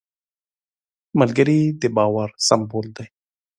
ملګری د باور سمبول دی